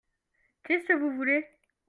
Qu'est-ce que vous voulez ?